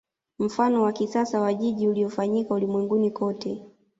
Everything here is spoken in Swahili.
Mfano wa kisasa wa jiji uliofanyika ulimwenguni kote